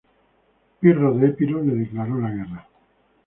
Pirro de Epiro le declaró la guerra.